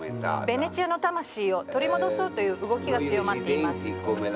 ベネチアの魂を取り戻そうという動きが強まっています。